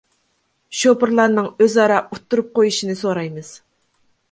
شوپۇرلارنىڭ ئۆزئارا ئۇتتۇرۇپ قويۇشنى سورايمىز.